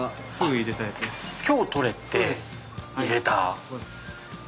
今日取れて入れた。